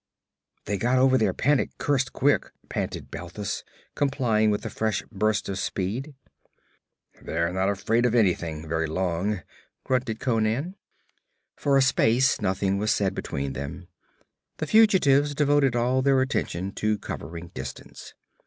'They got over their panic cursed quick!' panted Balthus, complying with a fresh burst of speed. 'They're not afraid of anything, very long,' grunted Conan. For a space nothing was said between them. The fugitives devoted all their attention to covering distance.